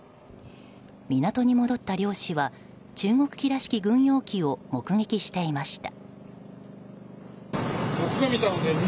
港に戻った漁師は中国機らしき軍用機を目撃していました。